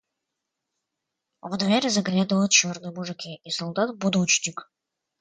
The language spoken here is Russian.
В дверь заглядывают черные мужики и солдат-будочник.